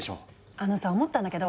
あのさ思ったんだけど。